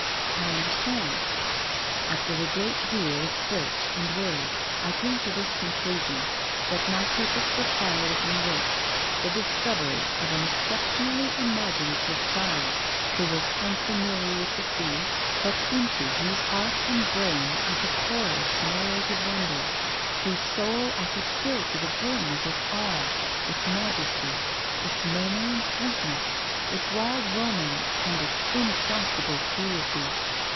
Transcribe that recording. " I understand." THE RAINBOW. 2$ " After a great deal of search and worry I came to this conclusion: that my purpose required of me this — the discovery of an exceptionally imagi native child, who was unfamiliar with the sea, but into whose heart and brain I could pour its nar rated wonders, whose soul I could fill to the brim with its awe, its majesty, its murmuring sweet ness, its wild romance and its inexhaustible cruelty.